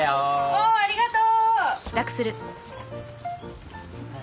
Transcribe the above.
おありがとう。